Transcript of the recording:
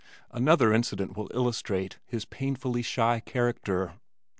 Another incident will illustrate his painfully shy character.